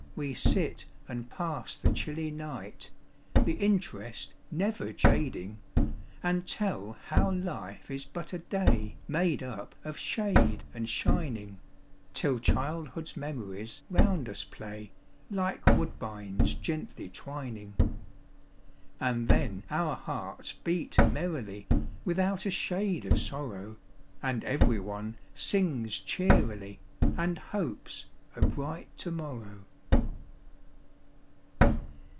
We sit and pass the chilly night, The interest never jading ; And tell how life is but a day Made up of shade and shining, Till childhood's memories round us play Like woodbines gently twining ; And then our hearts beat merrily, Without a shade of sorrow ; And every one sings cheerily, And hopes a bright to morrow.